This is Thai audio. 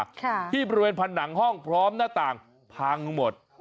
ค่ะที่บริเวณผนังห้องพร้อมหน้าต่างพังหมด